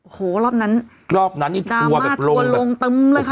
โอ้โหรอบนั้นดราม่าทัวร์ลงปึ้มเลยค่ะ